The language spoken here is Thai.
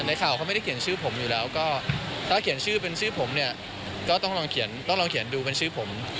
ในข่าวเขาไม่ได้เขียนชื่อผมอยู่แล้วก็ถ้าเขียนชื่อเป็นชื่อผมเนี่ยก็ต้องลองเขียนต้องลองเขียนดูเป็นชื่อผม